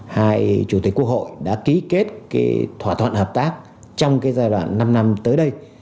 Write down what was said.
hai chủ tịch quốc hội đã ký kết thỏa thuận hợp tác trong giai đoạn năm năm tới đây